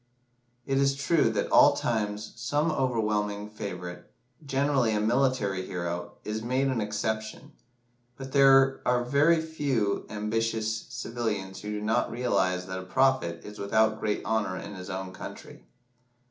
It is true that at times some overwhelming favourite, generally a military hero, is made an exception; but there are few very ambitious civilians who do not realise that a prophet is without great honour in his own country.